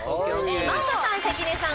真麻さん、関根さん